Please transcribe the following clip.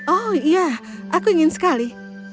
oh iya aku ingin sekali